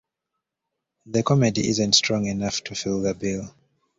The comedy isn't strong enough to fill the bill.